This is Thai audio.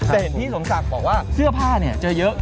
แต่เห็นพี่สงสักบอกว่าเสื้อผ้าเนี่ยจะเยอะนะครับ